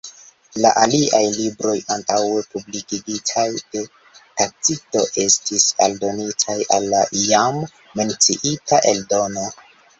La aliaj libroj antaŭe publikigitaj de Tacito estis aldonitaj al la jam menciita eldono.